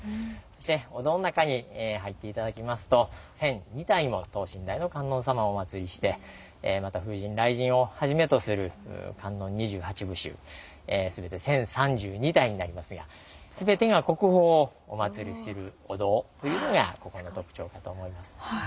そしてお堂の中に入って頂きますと１，００２体もの等身大の観音様をおまつりしてまた風神雷神をはじめとする観音二十八部衆全て１，０３２体になりますがというのがここの特徴かと思います。